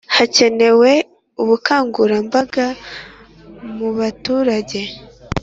Hakenewe ubukangurambaga mu baturage